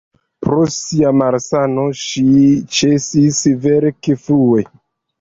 Pro sia malsano ŝi ĉesis verki frue.